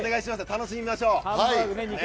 楽しみましょう！